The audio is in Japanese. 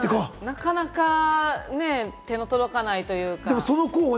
なかなか手が届かないというか。